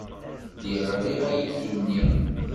Lliɣ riɣ aydi-nni.